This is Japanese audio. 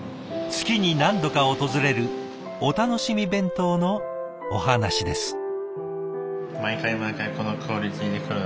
月に何度か訪れるお楽しみ弁当のお話です。